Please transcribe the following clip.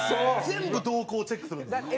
全部動向をチェックするんですよ。